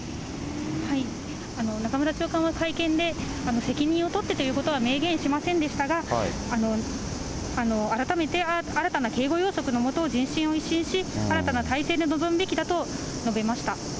中村長官は会見で、責任を取ってということは明言しませんでしたが、改めて新たな警護要則の下、人身を一新し、新たな体制で臨むべきだと述べました。